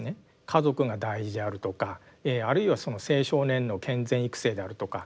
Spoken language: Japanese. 家族が大事であるとかあるいは青少年の健全育成であるとか